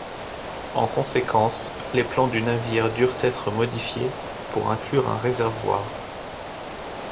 En conséquence, les plans du navire durent être modifiés pour inclure un réservoir.